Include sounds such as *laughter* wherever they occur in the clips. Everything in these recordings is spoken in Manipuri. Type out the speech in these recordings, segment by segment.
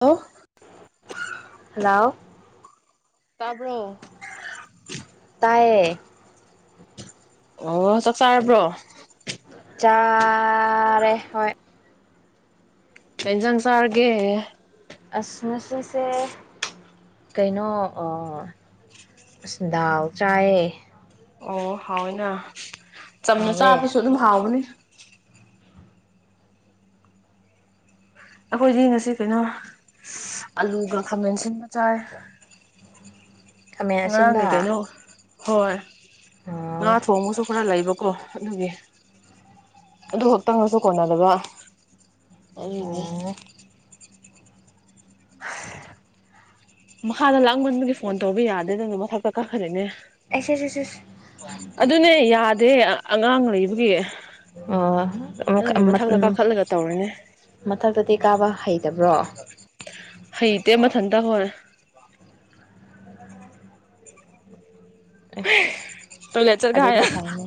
ꯑꯣ ꯍꯜꯑꯣ ꯇꯥꯕ꯭ꯔꯣ ꯇꯥꯏꯌꯦ ꯑꯣ ꯆꯥꯛ ꯆꯥꯔꯕ꯭ꯔꯣ ꯆꯥ ꯔꯦ ꯍꯣꯏ ꯀꯩꯏꯟꯖꯥꯡ ꯆꯥꯔꯒꯦ ꯑꯁ ꯉꯁꯤꯁꯦ ꯀꯩꯅꯣ ꯑ ꯑꯁ ꯗꯥꯎ ꯆꯥꯏꯌꯦ ꯑꯣ ꯍꯥꯎꯏꯅ ꯆꯝꯅ ꯍꯥꯎꯋꯦ ꯆꯥꯕꯁꯨ ꯑꯗꯨꯝ ꯍꯥꯎꯕꯅꯤ ꯑꯈꯣꯏꯗꯤ ꯉꯁꯤ ꯀꯩꯅꯣ ꯑꯂꯨꯒ ꯈꯥꯃꯦꯟꯁꯤꯟꯕ ꯆꯥꯏ ꯈꯥꯃꯦꯟ ꯉꯔꯥꯡꯒꯤ ꯑꯁꯤꯟꯕ ꯀꯩꯅꯣ ꯍꯣꯏ ꯑꯣ ꯉꯥ ꯊꯣꯡꯕꯁꯨ ꯈꯔ ꯂꯩꯕ ꯀꯣ ꯑꯗꯨꯒꯤ ꯑꯗꯨ ꯈꯛꯇꯪꯒꯁꯨ ꯀꯣꯟꯅꯗꯕ ꯑꯣꯏꯅꯦ ꯑꯣ ꯃꯈꯥꯗ ꯂꯥꯡꯃꯟꯕꯒꯤ ꯐꯣꯟ ꯇꯧꯕ ꯌꯥꯗꯦꯗꯨꯅ ꯃꯊꯛꯇ ꯀꯥꯈꯠꯂꯤꯅꯦ *unintelligible* ꯗꯩ ꯑꯉꯥꯡ ꯂꯩꯕꯒꯤ ꯑꯣ ꯎ ꯑꯗꯨꯒꯤ *unintelligible* ꯃꯊꯛꯇ ꯎꯝ ꯀꯥꯈꯠꯂꯒ ꯇꯧꯔꯤꯅꯦ ꯃꯊꯛꯇꯗꯤ ꯀꯥꯕ ꯍꯩꯇꯕ꯭ꯔꯣ *unintelligible* ꯑꯁ ꯇꯣꯏꯂꯦꯠ ꯆꯠꯀꯦ ꯍꯥꯏ ꯑꯗꯨꯅ ꯐꯩꯅꯦ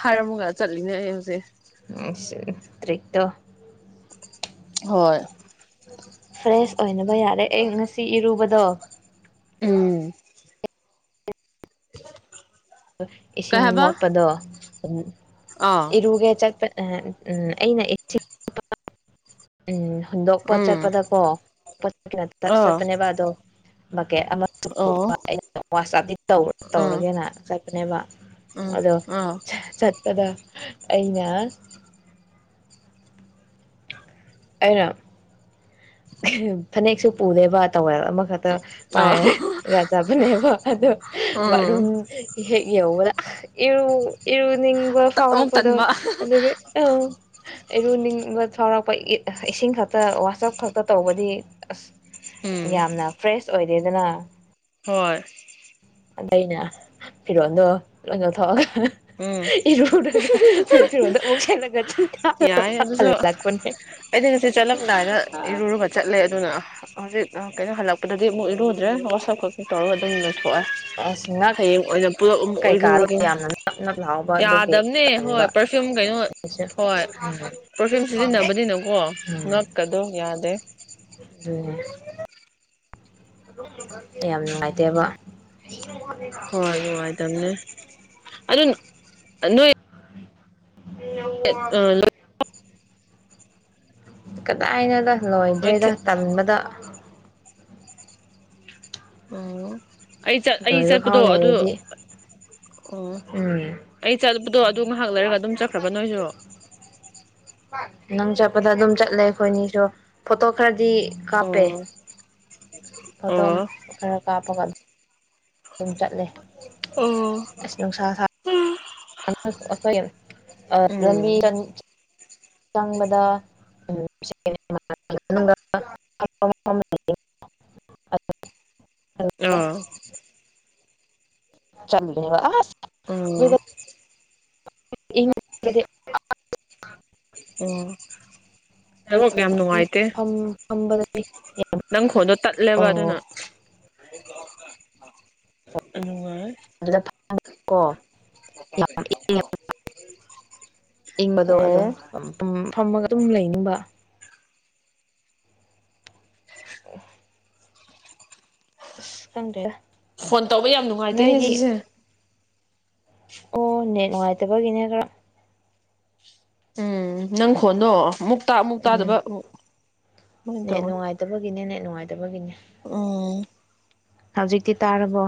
ꯍꯥꯏꯔꯝꯃꯒ ꯆꯠꯂꯤꯅꯦ ꯑꯩ ꯍꯧꯖꯤꯛ *unintelligible* ꯇ꯭ꯔꯤꯛꯇꯣ ꯍꯣꯏ ꯐ꯭ꯔꯦꯁ ꯑꯣꯏꯅ ꯌꯥꯔꯦ ꯑꯩ ꯉꯁꯤ ꯏꯔꯨꯕ ꯗꯣ ꯎꯝ ꯀꯩ ꯏꯁꯤꯡ ꯍꯥꯏꯕ ꯃꯣꯠꯄꯗꯣ ꯑꯥ ꯏꯔꯨꯒꯦ ꯆꯠꯄ ꯑ ꯎꯝ ꯑꯩꯅ *inaudible* ꯎꯝ ꯍꯨꯟꯗꯣꯛꯄ ꯎꯝ ꯆꯠꯄꯗꯀꯣ *unintelligible* ꯑꯥ ꯆꯠꯄꯅꯦꯕ ꯑꯗꯣ *unintelligible* ꯀꯦ *unintelligible* ꯑꯣ ꯑꯩꯅ *unintelligible* ꯇꯧ ꯎꯝ ꯇꯧꯔꯒꯦꯅ ꯆꯠꯄꯅꯦꯕ ꯎꯝ ꯑꯗꯣ ꯑꯥ ꯆꯠꯄꯗ ꯑꯩꯅ ꯑꯩꯅ ꯐꯅꯦꯛꯁꯨ ꯄꯨꯗꯦꯕ ꯇꯧꯋꯦꯜ ꯑꯃꯈꯛꯇ ꯑꯥ ꯄꯥꯏꯔꯒꯖꯕꯅꯦꯕ ꯑꯗꯨ ꯎꯝ ꯕꯥꯠꯔꯨꯝ ꯍꯦꯛ ꯌꯧꯕꯗ *unintelligible* ꯏꯔꯨꯅꯤꯡꯕ ꯑꯃꯨꯛ ꯐꯥꯎꯔꯛꯄꯗꯣ ꯇꯟꯕ ꯑꯗꯨꯒꯤ ꯑꯣ ꯏꯔꯨꯅꯤꯡꯕ ꯐꯥꯎꯔꯛꯄ ꯏ ꯏꯁꯤꯡ ꯈꯛꯇ ꯋꯥꯆꯞ ꯈꯛꯇ ꯇꯧꯕꯗꯤ ꯑꯁ ꯎꯝ ꯌꯥꯝꯅ ꯐ꯭ꯔꯦꯁ ꯑꯣꯏꯔꯦꯗꯅ ꯍꯣꯏ ꯑꯩꯅ ꯐꯤꯔꯣꯜꯗꯣ ꯂꯣꯏ ꯂꯧꯊꯣꯛꯑꯒ ꯎꯝ ꯏꯔꯨꯔꯒ ꯐꯤꯔꯣꯟꯜꯗꯣ ꯑꯃꯨꯛ ꯁꯦꯠꯂꯒ ꯆꯤꯡꯊꯥꯛꯂ ꯌꯥꯏ ꯑꯗꯨꯁꯨ ꯍꯜꯂꯛꯄꯅꯦ ꯑꯩꯗꯤ ꯉꯁꯤ ꯆꯠꯂꯝꯗꯥꯏꯗ ꯏꯔꯨꯔꯒ ꯆꯠꯂꯦ ꯑꯗꯨꯅ ꯍꯧꯖꯤꯛ ꯀꯩꯅꯣ ꯍꯜꯂꯛꯄꯗꯗꯤ ꯑꯃꯨꯛ ꯏꯔꯨꯗ꯭ꯔꯦ ꯋꯥꯠꯁꯞ ꯈꯛꯇꯪ ꯇꯧꯔꯒ ꯑꯗꯨꯝ ꯊꯣꯛꯑ ꯑꯁ ꯉꯛ ꯍꯌꯦꯡ ꯑꯣꯔꯛꯄꯒ ꯑꯃꯨꯛ ꯀꯩꯀꯥꯗꯣ ꯑꯣꯏꯔꯨꯔꯒꯦꯅꯦ ꯌꯥꯝꯅ ꯅꯞ ꯅꯞ ꯂꯥꯎꯕ ꯑꯗꯨꯒꯤ ꯌꯥꯗꯕꯅꯦ ꯍꯣꯏ ꯇꯟꯕ ꯄꯔꯐ꯭ꯌꯨꯝ ꯀꯩꯅꯣ ꯑꯩꯁꯨ ꯍꯣꯏ ꯎꯝ ꯄꯔꯐ꯭ꯌꯨꯝ ꯁꯤꯖꯤꯟꯅꯕꯅꯤꯅꯀꯣ ꯉꯛꯀꯗꯣ ꯌꯥꯗꯦ ꯑꯗꯨꯅ‌ꯦ ꯌꯥꯝ ꯅꯨꯡꯉꯥꯏꯇꯦꯕ ꯍꯣꯏ ꯅꯨꯡꯉꯥꯏꯇꯝꯅꯦ ꯑꯗꯨꯗꯣ ꯅꯣꯏ ꯑ ꯂꯣꯏ ꯎ *inaudible* ꯀꯗꯥꯅ‌ꯣꯗ ꯂꯣꯏꯗ꯭ꯔꯔꯤꯗ ꯇꯟꯕꯗ ꯎꯡ ꯑꯩ ꯆꯠ ꯑꯩ ꯂꯣꯏꯕ ꯐꯥꯎ ꯆꯠꯄꯗꯣ ꯑꯗꯨ ꯂꯩꯔꯗꯤ ꯑꯣ ꯎꯝ ꯑꯩ ꯆꯠꯄꯗꯣ ꯑꯗꯨ ꯉꯥꯏꯍꯥꯛ ꯂꯩꯔꯒ ꯑꯗꯨꯝ ꯆꯠꯈ꯭ꯔꯕ ꯅꯣꯏꯁꯨ ꯅꯪ ꯆꯠꯄꯗ ꯑꯗꯨꯝ ꯆꯠꯂꯦ ꯑꯩꯈꯣꯏꯅꯤꯁꯨ ꯐꯣꯇꯣ ꯈꯔꯗꯤ ꯀꯥꯞꯄꯦ ꯑꯣ ꯐꯣꯇꯣ ꯑꯣ ꯈꯔ ꯀꯥꯞꯄꯒ ꯑꯗꯨꯝ ꯑꯗꯨꯝ ꯆꯠꯂꯦ ꯑꯣ ꯑꯁ ꯅꯨꯡꯁꯥ ꯁꯥ ꯑꯩꯈꯣꯏ ꯂꯝꯕꯤ ꯎꯝ ꯆꯪꯕꯗ *inaudible* ꯑ ꯆꯠꯂꯤꯕ ꯑꯥꯁ ꯑꯣ ꯑꯗꯨꯗ *unintelligible* ꯍꯔꯣꯛ ꯌꯥꯝ ꯅꯨꯡꯉꯥꯏꯇꯦ ꯐꯝ ꯐꯝꯕꯗꯗꯤ ꯅꯪ ꯈꯣꯟꯗꯣ ꯇꯠꯂꯦꯕ ꯑꯗꯨꯅ ꯑꯣ ꯅꯨꯡꯉꯥꯏ ꯑꯗꯨ ꯑꯪꯀꯣ *inaudible* ꯏ ꯃꯗꯨꯣ ꯑꯗꯨꯒ ꯑꯣ ꯐꯝꯃꯒ ꯑꯗꯨꯝ ꯂꯩꯅꯤꯡꯕ ꯑꯣ ꯑꯁ ꯈꯪꯗꯦ ꯗ ꯐꯣꯟ ꯇꯧꯕ ꯌꯥꯝ ꯅꯨꯡꯉꯥꯏꯇꯦꯅꯦ ꯁꯤꯁꯦ ꯑꯣ ꯅꯦꯠ ꯅꯨꯡꯉꯥꯏꯇꯕꯒꯤꯅꯦ ꯈꯔ ꯎꯝ ꯅꯪ ꯈꯣꯟꯗꯣꯛꯑꯣ ꯑꯃꯨꯛ ꯇ ꯑꯃꯨꯛ ꯎꯝ ꯇꯥꯗꯕ ꯑꯃꯨꯛ ꯁꯨꯃꯥꯏꯅ ꯇꯧꯋꯦ ꯇꯠꯇꯕꯒꯤꯅꯤ ꯎꯝ꯫ ꯍꯧꯖꯤꯛꯇꯤ ꯇꯥꯔꯕꯣ꯫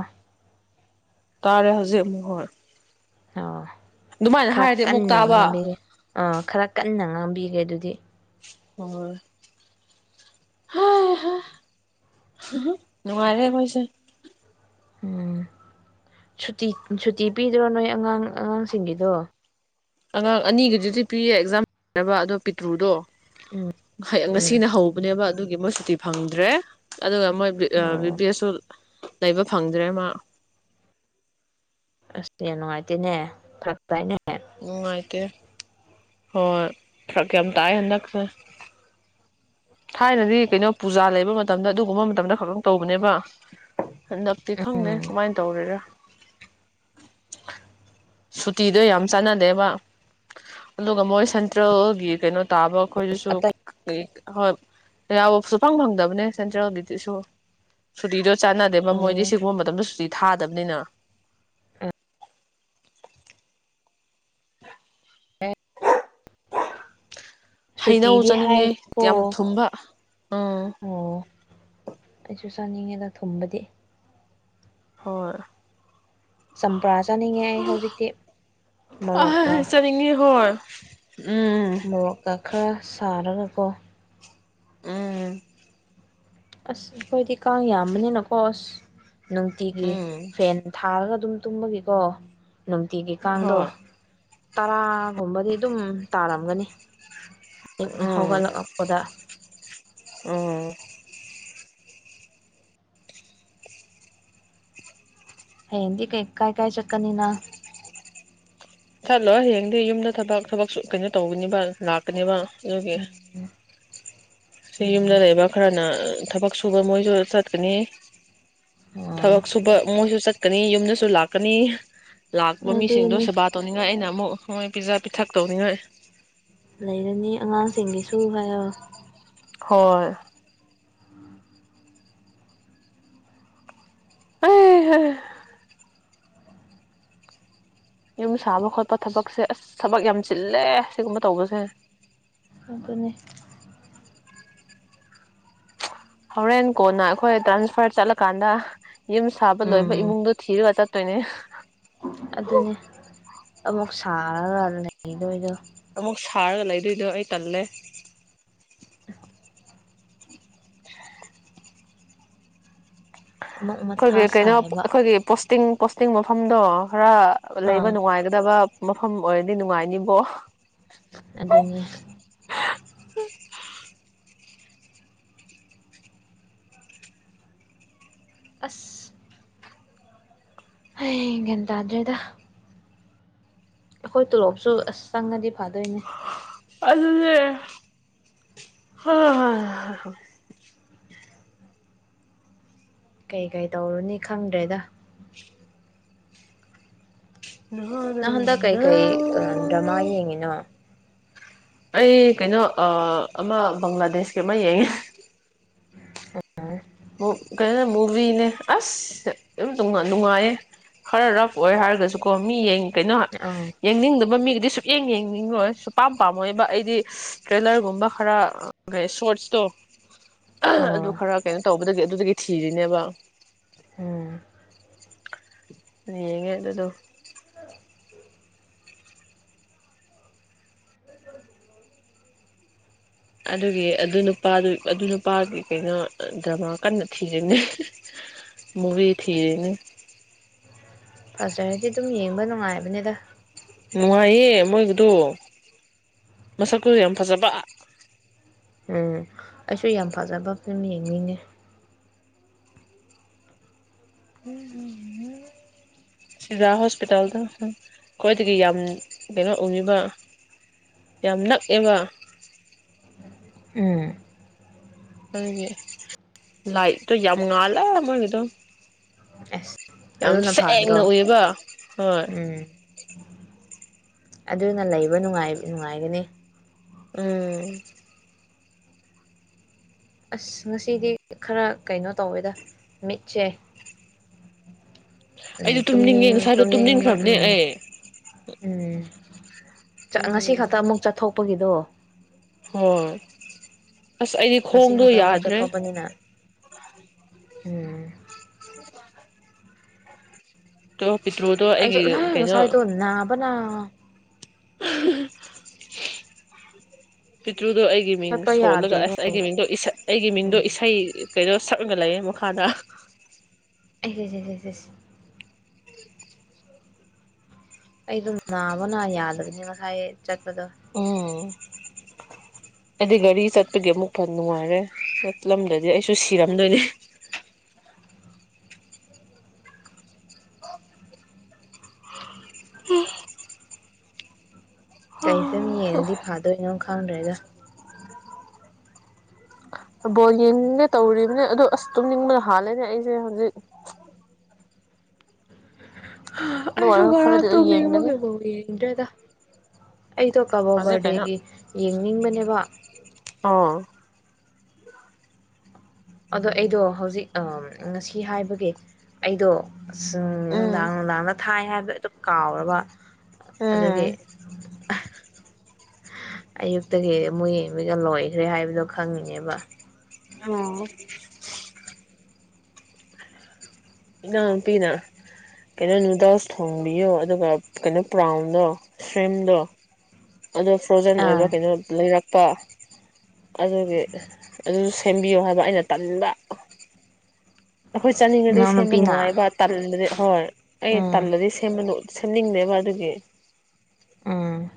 ꯇꯥꯔꯦ ꯍꯧꯖꯤꯛ ꯑꯃꯨꯛ ꯍꯣꯢ꯫ ꯑꯣ꯫ ꯈꯔ ꯑꯃꯨꯛ ꯀꯟꯅ ꯇꯥꯕ ꯉꯥꯝꯕꯤꯒꯦ ꯑꯥ ꯈꯔ ꯀꯟꯅ ꯉꯥꯝ ꯄꯤꯔꯦ ꯑꯗꯨꯗꯤ꯫ ꯑꯣ꯫ ꯍꯥ ꯍ *unintelligible* ꯅꯨꯡꯉꯥꯏꯔꯦ ꯃꯣꯢꯁꯦ꯫ ꯎꯝ ꯁꯨꯇꯤ ꯁꯨꯇꯤ ꯄꯤꯗ꯭ꯔꯣ ꯅꯣꯏ ꯑꯉꯥꯡ ꯑꯉꯥꯡꯁꯤꯡꯒꯤꯗꯣ꯫ ꯑꯉꯥꯡ ꯑꯅꯤꯒꯤꯗꯨꯗꯤ ꯄꯤꯌꯦ ꯑꯦꯛꯖꯥꯝ *unintelligible* ꯑꯗꯨ ꯄꯤꯛꯇ꯭ꯔꯨꯗꯣ꯫ *unintelligible* ꯎꯝ ꯉꯁꯤꯅ ꯍꯧꯕꯅꯦꯕ ꯑꯗꯨ *unintelligible* ꯁꯨꯇꯤ ꯐꯪꯗ꯭ꯔꯦ꯫ ꯑꯗꯨꯒ ꯃꯣꯏ ꯕꯤ ꯑꯥ ꯕꯤ ꯑꯣ ꯄꯦꯁꯨ ꯂꯩꯕ ꯐꯪꯗ꯭ꯔꯦ ꯃꯥ꯫ ꯑꯁ *unintelligible* ꯅꯨꯡꯉꯥꯏꯇꯦꯅꯦ ꯐꯔꯛ ꯇꯥꯏꯅꯦ ꯅꯨꯉꯥꯏꯇꯦ꯫ ꯍꯣꯢ꯫ ꯐꯔꯛ ꯀꯌꯥꯝ ꯇꯥꯏ ꯍꯟꯗꯛꯁꯦ꯫ ꯊꯥꯏꯅꯗꯤ ꯀꯩꯅꯣ ꯄꯨꯖꯥ ꯂꯩꯕ ꯃꯇꯝꯗ ꯑꯗꯨꯒꯨꯝꯕ ꯃꯇꯝꯗ ꯈꯛꯇꯪ ꯇꯧꯕꯅꯦꯕ꯫ ꯍꯟꯗꯛꯇꯤ ꯈꯪꯗꯦ ꯎꯝ ꯀꯃꯥꯏ ꯇꯧꯔꯤꯔꯥ꯫ ꯁꯨꯇꯤꯗꯨ ꯌꯥꯝ ꯆꯥꯟꯅꯗꯦꯕ ꯑꯗꯨꯒ ꯃꯣꯏ ꯁꯦꯟꯇ꯭ꯔꯦꯜꯒꯤ ꯀꯩꯅꯣ ꯇꯥꯕ꯭ꯔꯣ ꯈꯣꯏꯗꯁꯨ ꯑꯇꯩ *unintelligible* ꯍꯣꯏ꯫ ꯌꯥꯎ ꯁꯨꯛꯐꯪ ꯐꯪꯗꯕꯅꯦ꯫ ꯁꯨꯇꯤꯗꯨ ꯆꯥꯟꯅꯗꯦꯕ ꯃꯣꯏꯗꯤ ꯑꯣ ꯁꯤꯒꯨꯝ ꯃꯇꯝꯗ ꯁꯨꯇꯤ ꯊꯥꯗꯃꯤꯅ꯫ ꯍꯩꯅꯧ ꯁꯨꯇꯤꯗꯤ ꯆꯥꯅꯤꯡꯉꯦ ꯌꯥꯝ ꯍꯥꯏꯔꯗꯤꯀꯣ ꯊꯨꯝꯕ꯫ ꯎꯝ꯫ ꯨ ꯆꯥꯅꯤꯡꯉꯦꯗ ꯊꯨꯝꯕꯗꯤ꯫ ꯍꯣꯢ꯫ ꯆꯝꯄ꯭ꯔꯥ ꯆꯥꯅꯤꯡꯉꯦ ꯑꯩ ꯍꯧꯖꯤꯛꯇꯤ ꯃꯣꯔꯣꯛꯀ꯫ ꯑ ꯆꯥꯅꯤꯡꯉꯤ ꯍꯣꯏ ꯎꯝ ꯃꯣꯔꯣꯛꯀ ꯈꯔ ꯁꯥꯔꯒꯀꯣ꯫ ꯎꯝ꯫ ꯑꯁ ꯑꯩꯈꯣꯏꯗꯤ ꯀꯥꯡ ꯌꯥꯝꯕꯅꯤꯅꯀꯣ ꯑꯁ꯫ ꯅꯨꯡꯇꯤꯒꯤ ꯎꯝ ꯐꯦꯟ ꯊꯥꯔꯒ ꯑꯗꯨꯝ ꯇꯨꯝꯃꯒꯦꯀꯣ ꯅꯨꯡꯇꯤꯒꯤ ꯀꯥꯡꯗꯣ ꯍꯣꯏ ꯇꯔꯥꯒꯨꯝꯕꯗꯤ ꯑꯗꯨꯝ ꯇꯥꯔꯝꯒꯅꯤ *unintelligible* ꯎꯝ ꯍꯧꯒꯠꯂꯛ *unintelligible* ꯄꯗ ꯎꯝ *inaudible* ꯍꯗꯤ ꯀꯩ ꯀꯥꯏ ꯀꯥꯏ ꯆꯛꯀꯅꯤꯅꯥ ꯆꯠꯂꯣꯏ ꯍꯌꯦꯡꯗꯤ ꯌꯨꯝꯗ ꯊꯕꯛ ꯊꯕꯛ ꯀꯩꯅꯣ ꯇꯧꯒꯅꯤꯕ ꯂꯥꯛꯀꯅꯦꯕ ꯌꯒ ꯁꯤ ꯌꯨꯝꯗ ꯂꯩꯕ ꯈꯔꯅ ꯊꯕꯛ ꯁꯨꯕ ꯃꯣꯏꯁꯨ ꯆꯠꯀꯅꯤ ꯊꯕꯛ ꯁꯨꯕ ꯃꯣꯏꯁꯨ ꯆꯠ‌‌ ꯀꯅꯤ ꯌꯨꯝꯗꯁꯨ ꯂꯥꯛꯀꯅꯤ ꯂꯥꯛꯄ ꯃꯤꯁꯤꯡꯗꯣ ꯑꯗꯨꯅꯤ ꯁꯦꯕꯥ ꯇꯧꯅꯤꯡꯉꯥꯏ ꯑꯩꯅ ꯑꯃꯨꯛ ꯍꯣꯏ ꯄꯤꯖꯥ ꯄꯤꯊꯛ ꯇꯧꯅꯤꯡꯉꯣꯏ ꯂꯩꯔꯅꯤ ꯑꯉꯥꯡꯁꯤꯡꯒꯤꯁꯨ ꯍꯥꯏꯑꯣ ꯍꯣꯏ *unintelligible* ꯌꯨꯝ ꯁꯥꯕ ꯈꯜ ꯑꯁ ꯄꯊꯕꯛꯁꯦ ꯊꯕꯛ ꯌꯥꯝ ꯆꯤꯜꯂꯦ ꯁꯤꯒꯨꯝꯕ ꯇꯧꯕꯁꯦ ꯑꯗꯨꯅꯤ ꯍꯣꯔꯦꯟ ꯀꯣꯟꯅ ꯑꯩꯈꯣꯏ ꯇ꯭ꯔꯥꯟꯁꯐꯔ ꯆꯠꯂꯀꯥꯟꯗ ꯌꯨꯝ ꯁꯥꯕ ꯂꯣꯏꯕ ꯎꯝ ꯏꯃꯨꯡꯗꯣ ꯊꯤꯔꯨꯒ ꯆꯠ ꯇꯣꯏꯅꯦ ꯑꯗꯨꯅꯦ ꯑꯃꯨꯛ ꯁꯥꯔꯒ ꯂꯩꯗꯣꯏꯗꯣ ꯑꯃꯨꯛ ꯁꯥꯔꯒ ꯂꯩꯗꯣꯏꯗꯣ ꯑꯩ ꯇꯜꯂꯦ ꯑꯃꯨꯛ ꯑꯩꯈꯣꯏꯒꯤ ꯃꯊꯥ ꯀꯩꯅꯣ ꯁꯥꯏꯕ ꯑꯩꯈꯣꯏꯒꯤ ꯄꯣꯁ ꯄꯣ ꯇꯤꯡ ꯄꯣꯁꯇꯤꯡ ꯃꯐꯝꯗꯣ ꯈꯔ ꯂꯩꯕ ꯑꯥ ꯅꯨꯡꯉꯥꯏꯒꯗꯕ ꯃꯐꯝ ꯑꯣꯏꯔꯗꯤ ꯅꯨꯡꯉꯥꯏꯅꯤꯕꯣ ꯑꯗꯨꯅꯦ *unintelligible* ꯑꯁ ꯍꯩ ꯒꯌ꯭ꯥꯟꯇꯥꯗ꯭ꯔꯦꯗ ꯑꯩꯈꯣꯏ ꯇꯣꯂꯣꯞꯁꯨ ꯑꯁ ꯆꯪꯉꯗꯤ ꯐꯗꯣꯏꯅꯦ ꯑꯗꯨꯅꯦ ꯍꯥ ꯀꯩ ꯀꯩ ꯇꯧꯔꯨꯅꯤ ꯈꯪꯗ꯭ꯔꯦꯗ ꯅꯩ ꯍꯟꯗꯛ ꯀꯩꯀꯩ ꯗ꯭ꯔꯃꯥ ꯌꯦꯡꯉꯤꯅꯣ ꯑꯩ ꯀꯩꯅꯣ ꯑ ꯑꯃ ꯕꯪꯒ꯭ꯂꯥꯗꯦꯁꯀꯤ ꯑꯃ ꯌꯦꯡꯉꯦ ꯑ ꯀꯩꯅꯣꯅꯦ ꯃꯨꯚꯤꯅꯦ ꯑꯁ ꯌꯥꯝ ꯅꯨꯡꯉꯥꯏꯌꯦ ꯈꯔ ꯔꯐ ꯑꯣꯏ ꯍꯥꯏꯔꯒꯁꯨꯀꯣ ꯃꯤꯡ ꯀꯩꯅꯣ ꯌꯦꯡꯅꯤꯡꯗꯕ ꯃꯤ ꯇꯤꯁꯨꯛꯌꯦꯡ ꯌꯦꯡꯅꯤꯡꯉꯣꯏ ꯁꯨꯛ ꯄꯝ ꯄꯥꯝꯃꯣꯏꯕ ꯑꯩꯗꯤ ꯇ꯭ꯔꯦꯂꯔꯒꯨꯝꯕ ꯈꯔ ꯀ ꯁꯣꯔꯠꯁꯇꯣ ꯑꯗꯨ ꯑ ꯈꯔ ꯀꯩꯅꯣ ꯇꯧꯕꯗꯒꯤ ꯑꯗꯨꯗꯒꯤ ꯊꯤꯔꯤꯅꯦꯕ ꯎꯝ ꯌꯦꯡꯉꯦ ꯑꯗꯨꯗꯣ *inaudible* ꯑꯗꯨꯒꯤ ꯑꯗꯨ ꯅꯨꯄꯥꯗꯨ ꯑꯗꯨ ꯅꯨꯄꯥꯒꯤ ꯀꯩꯅꯣ ꯗ꯭ꯔꯃꯥ ꯀꯟꯅ ꯊꯤꯔꯤꯅꯦ ꯃꯨꯚꯤ ꯊꯤꯔꯤꯅꯤ ꯐꯖꯔꯗꯤ ꯑꯗꯨꯝ ꯌꯦꯡꯕ ꯅꯨꯡꯉꯥꯏꯕꯅꯤꯗ ꯅꯨꯡꯉꯥꯏꯌꯦ ꯃꯣꯏꯒꯤꯗꯨ ꯃꯁꯛꯇꯨ ꯌꯥꯝ ꯐꯖꯕ ꯎꯝ ꯑꯩꯁꯨ ꯌꯥꯝ ꯐꯖꯕ ꯐꯤꯂꯝ ꯌꯦꯡꯅꯤꯡꯉꯦ ꯎ ꯁꯤꯗꯥ ꯍꯣꯁꯄꯤꯇꯥꯜꯗ ꯈ꯭ꯋꯥꯏꯗꯒꯤ ꯌꯥꯝ ꯀꯩꯅꯣ ꯎꯉꯤꯕ ꯌꯥꯝ ꯅꯛꯑꯦꯕ ꯎꯝ ꯃꯣꯢꯒꯤ ꯂꯥꯢꯠꯇꯣ ꯌꯥꯝ ꯉꯥꯜꯂꯦ ꯃꯣꯢꯒꯤꯗꯣ ꯑꯁ ꯌꯥꯝ ꯑꯗꯨꯅ ꯁꯦꯡꯅ ꯐꯗ꯭ꯔꯣ ꯎꯏꯑꯦꯕ ꯍꯣꯏ ꯎꯝ ꯑꯗꯨꯅ ꯂꯩꯕ ꯅꯨꯡꯉꯥꯏ ꯅꯨꯡꯉꯥꯢꯒꯅꯤ ꯎꯝ ꯑꯁ ꯉꯁꯤꯗꯤ ꯈꯔ ꯀꯩꯅꯣ ꯇꯧꯋꯦꯗ ꯃꯤꯠꯁꯦ ꯎꯝ ꯑꯩꯗꯣ ꯇꯨꯝꯅꯤꯡꯉꯦ ꯇꯨꯝꯅꯤꯡ ꯉꯁꯥꯏꯗꯣ ꯇꯨꯝꯅꯤꯡꯕ ꯇꯨꯝꯅꯤꯡꯈ꯭ꯔꯕꯅꯦ ꯎꯝ ꯑꯩ ꯎꯝ ꯉꯁꯤ ꯎꯝ ꯈꯛꯇ ꯑꯃꯨꯛ ꯆꯠꯊꯣꯛꯄꯒꯤꯗꯣ ꯍꯣꯏ ꯑꯁ ꯑꯩꯗꯤ ꯉꯁꯤ ꯈꯣꯡꯗꯣ ꯈꯛꯇ ꯑꯃꯨꯛ ꯌꯥꯗ꯭ꯔꯦ ꯆꯠꯊꯣꯛꯄꯅꯤꯅ ꯎꯝ ꯇꯞ ꯑꯩꯁꯨꯠꯂꯥꯏ ꯉꯁꯥꯏꯗꯣ ꯅꯥꯕꯅ ꯑꯥ *unintelligible* ꯇ꯭ꯔꯨꯗꯣ ꯑꯩꯒꯤ ꯃꯤꯡ ꯆꯠꯄ ꯁꯣꯜꯂꯒ ꯌꯥꯗ꯭ꯔꯤꯅꯦ ꯑꯁ ꯑꯩꯒꯤ ꯃꯤꯡꯗꯣ ꯑꯩꯒꯤ ꯃꯤꯡꯗꯣ ꯎꯝ ꯏꯁꯩ ꯀꯩꯩꯅꯣ ꯁꯛꯑꯒ ꯂꯩꯌꯦ ꯃꯈꯥꯗ ꯑꯦ ꯑꯦꯁ *unintelligible* ꯑꯩꯗꯣ ꯅꯥꯕ ꯅꯥ ꯌꯥꯗꯕꯅꯤ ꯉꯁꯥꯏ ꯆꯠꯄꯗꯣ ꯑꯣ ꯑꯩꯗꯤ ꯒꯥꯔꯤ ꯆꯠꯄꯒꯤ ꯑꯃꯨꯛ ꯐ ꯅꯨꯡꯉꯥꯏꯔꯦ ꯆꯠꯂꯝꯗꯗꯤ ꯑꯩꯁꯨ ꯁꯤꯔꯝꯗꯣꯢꯅꯤ ꯎ ꯀꯩ ꯐꯤꯂꯝ ꯌꯦꯡꯉꯗꯤ ꯐꯥꯗꯣꯏꯅꯣ ꯈꯪꯗ꯭ꯔꯦꯗ ꯕꯣꯜ ꯌꯦꯡꯅꯤꯡꯒꯦ ꯇꯧꯔꯤꯕꯅꯦ ꯑꯗꯣ ꯑꯁ ꯇꯨꯝꯅꯤꯡꯕꯗ ꯍꯥꯜꯂꯦꯅꯦ ꯑꯩꯁꯦ ꯍꯧꯖꯤꯛ ꯑꯗꯨ ꯑꯣꯏꯔꯒ ꯈꯔꯗꯤ ꯑꯩꯁꯨꯨꯉꯔꯥꯡ ꯑꯗꯨꯝ ꯌꯦꯡꯒꯅꯤ ꯇꯨꯅꯤꯡꯕꯃꯒ ꯕꯣꯜꯒ ꯌꯦꯡꯗ꯭ꯔꯦꯗ ꯑꯩꯗꯣ ꯀꯕꯣ ꯍꯧꯖꯤꯛ ꯕꯔꯗꯦꯒꯤ ꯌꯦꯡꯅꯤꯡꯕꯅꯦꯕ ꯑꯥ ꯑꯗꯣ ꯑꯩꯗꯣ ꯍꯧꯖꯤꯛ ꯉꯁꯤ ꯍꯥꯏꯕꯒꯤꯦ ꯑꯩꯗꯣ ꯎꯝ ꯎꯝꯅꯨꯡꯗꯥꯥꯡ ꯅꯨꯡꯗꯥꯥꯡꯅ ꯊꯥꯏ ꯍꯥꯏꯕ ꯑꯗꯨꯝ ꯀꯥꯎꯔꯕ ꯎꯝ ꯑꯗꯨꯗꯒꯤ ꯑꯌꯨꯛꯇꯒꯤ ꯑꯃꯨꯛ ꯌꯦꯡꯕꯤꯒ ꯂꯣꯏꯈ꯭ꯔꯦ ꯍꯥꯏꯕꯗꯣ ꯈꯪꯉꯤꯅꯦꯕ ꯑꯣ ꯏꯅꯥꯅꯨꯄꯤꯅ ꯀꯩꯅꯣ ꯅꯨꯗꯜꯁ ꯊꯣꯡꯕꯤꯌꯣ ꯑꯗꯨꯒ ꯀꯩꯅꯣ ꯕ꯭ꯔꯥꯎꯟꯗꯣ ꯁꯦꯝꯗꯣ ꯑꯗꯣ ꯐ꯭ꯔꯣꯖꯟ ꯑꯥ ꯑꯣꯏꯕ ꯀꯩꯅꯣ ꯂꯩꯔꯛ ꯄ ꯑꯗꯨꯒꯤ ꯑꯗꯨꯁꯨ ꯁꯦꯝꯕꯤꯌꯨ ꯍꯥꯏꯕ ꯑꯩꯅ ꯇꯟꯕ ꯑꯩꯈꯣꯏ ꯆꯥꯅꯤꯡꯉꯗꯤ ꯅꯅꯥꯎ ꯁꯦꯝꯕ ꯅꯨꯄꯤꯅ ꯅꯨꯡꯉꯥꯏꯕ ꯇꯟꯗꯗꯤ ꯍꯔ ꯑꯩ ꯎꯝ ꯇꯂꯗꯤ ꯁꯦꯝꯃꯅ ꯁꯦꯝꯝꯅꯤꯡꯅꯦꯕ ꯑꯗꯨꯒꯤ ꯎꯝ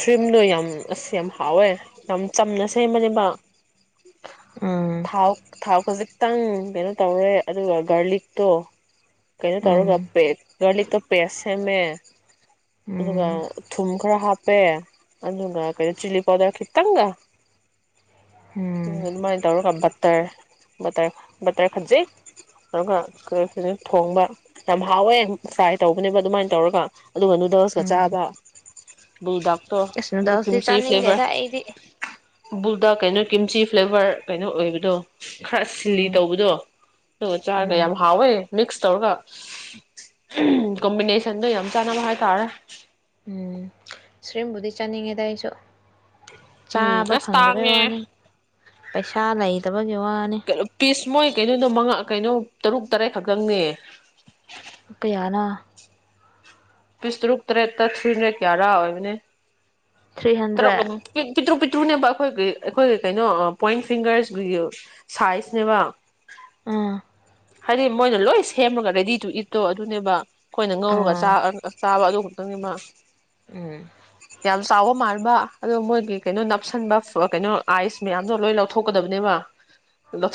ꯁ꯭ꯋꯤꯝꯗꯣ ꯌꯥꯝ ꯑꯁ ꯌꯥꯝ ꯍꯥꯎꯋꯦ ꯌꯥꯝ ꯆꯝꯅ ꯁꯦꯝꯕꯅꯦꯕ ꯎꯝ ꯊꯥꯎ ꯊꯥꯎ ꯈꯖꯤꯛ ꯈꯤꯇꯪ ꯀꯩꯅꯣ ꯇꯧꯔꯦ ꯑꯗꯨꯒ ꯒꯥꯔꯂꯤꯛꯇꯣ ꯎꯝ ꯀꯩꯩꯅꯧꯔꯒꯞꯦ ꯒ ꯇꯞ ꯄꯁꯃꯦ ꯑꯗꯨꯒ ꯎꯝ ꯊꯨꯝ ꯈꯔ ꯍꯥꯞ ꯄꯦ ꯑꯗꯨꯒ ꯀꯩꯅꯣ ꯆꯤꯂꯤ ꯄꯥꯎꯗꯔ ꯈꯤꯇꯪꯒ ꯎ ꯎꯝ ꯑꯗꯨꯃꯥꯏ ꯇꯔ ꯀ ꯕꯇꯔꯕꯔ ꯕꯇꯔ ꯈꯟꯖꯤꯩ ꯑꯗꯨꯒ ꯊꯣꯡꯕ ꯌꯥꯝ ꯍꯥꯎꯋꯦ ꯆꯥꯏ ꯇꯧꯕꯅꯦꯕ ꯑꯗꯨꯃꯥꯏꯅ ꯇꯧꯔꯒ ꯑꯗꯨꯒ ꯅꯨꯗꯜꯁ ꯀꯥ ꯆꯥꯕ ꯕꯨꯜꯗꯣꯛ ꯏꯁꯅ ꯗꯁꯗꯤ ꯆꯥꯅꯤꯡꯒꯦꯗ ꯑꯩꯗꯤ ꯕꯨꯗ ꯀꯩꯅꯣ ꯀ꯭ꯝꯆꯤ ꯐ꯭ꯂꯦꯕꯔ ꯀꯩꯅꯣ ꯑꯣꯏꯕꯗꯣ ꯈꯔ ꯁꯤꯜꯂꯤ ꯎꯝ ꯇꯧꯕꯗꯣ ꯑꯗꯨꯒ ꯆꯥꯔꯒ ꯌꯥꯝ ꯎꯝ ꯍꯥꯎꯋꯦ ꯃꯤꯛꯁ ꯇꯧꯔꯒ ꯀꯣꯝꯕꯤꯅꯦꯁꯟꯗꯣ ꯌꯥꯝ ꯆꯥꯟꯅꯕ ꯍꯥꯏꯇꯥꯔꯦ ꯎꯝ ꯁꯔꯤꯕꯨꯗꯤ ꯆꯥꯅꯤꯡꯉꯦꯗ ꯑꯩꯁꯨ ꯎꯝ ꯆꯥꯕ ꯑꯁ ꯐꯪꯗꯕꯩ ꯇꯥꯉꯦ ꯋꯥꯅꯤ ꯄꯩꯁꯥ ꯂꯩꯗ ꯀꯩꯅꯣ ꯄꯤꯁ ꯃꯣꯏ ꯀꯩꯅꯣꯗꯣ ꯃꯉꯥ ꯀꯩꯅꯣ ꯇꯔꯨꯛ ꯇꯔꯦꯠ ꯈꯛꯇꯪꯅꯦ ꯀꯌꯥꯅꯥ ꯄꯤꯁ ꯇꯔꯨꯛ ꯇꯔꯦꯠꯇ ꯊ꯭ꯔꯤ ꯍꯟꯗ꯭ꯔꯦꯠ ꯌꯥꯔꯥ ꯑꯣꯏꯕꯅꯦ ꯊ꯭ꯔꯤ ꯀ ꯍꯟꯗ꯭ꯔꯦꯠ ꯆꯇ꯭ꯔꯣ ꯄ ꯇꯨꯅꯦꯕ ꯑꯩꯈꯣꯏꯒꯤ ꯑꯩꯈꯣꯏꯒꯤ ꯀꯩꯅꯣ ꯄꯣꯏꯟ ꯐꯤꯡꯒꯔꯁ ꯁꯥꯏꯖꯅꯦꯕ ꯎꯝ ꯍꯥꯏꯗꯤ ꯃꯣꯏꯅ ꯂꯣꯏ ꯁꯦꯝꯃꯒ ꯔꯦꯗꯤꯗꯨ ꯏꯠꯇꯣ ꯑꯗꯨꯅꯦꯕ ꯑꯩꯈꯣꯏꯅ ꯉꯧꯔꯒ ꯎꯝ ꯆꯥꯛ ꯇꯥꯕ ꯑꯗꯨ ꯈꯛꯇꯪꯗꯨꯅ ꯎꯝ *unintelligible* ꯑꯣ ꯃꯣꯏꯒꯤ ꯀꯩꯅꯣ ꯅꯞꯁꯟꯕ ꯀꯩꯅꯣ ꯑꯥꯏꯁ ꯃꯌꯥꯝꯗꯣ ꯂꯣꯏ ꯂꯧꯊꯣꯛꯀꯗꯕꯅꯦꯕ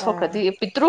ꯑꯥ ꯄꯤꯇ꯭ꯔꯨ